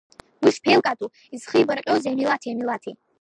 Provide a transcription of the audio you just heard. Уи шԥеилкаатәу, изхибарҟьозеи амилаҭи амилаҭи?